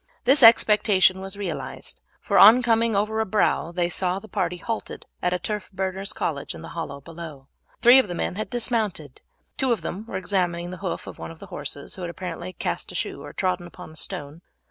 This expectation was realized, for on coming over a brow they saw the party halted at a turf burner's cottage in the hollow below. Three of the men had dismounted; two of them were examining the hoof of one of the horses, which had apparently cast a shoe or trodden upon a stone.